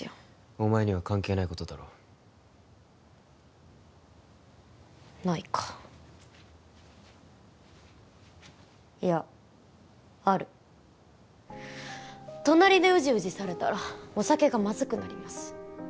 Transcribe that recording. お前には関係ないことだろうないかいやある隣でウジウジされたらお酒がまずくなります